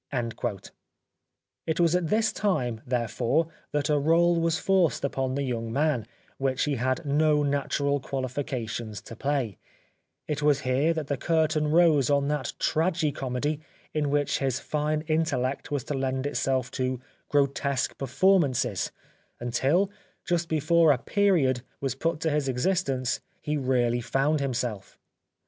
It was at this time, therefore, that a role was forced upon the young man, which he had no natural qualifications to play ; it was here that the curtain rose on that tragi comedy in which his fine intellect was to lend itself to grotesque performances until, just before a period was put to his existence, he really found himself.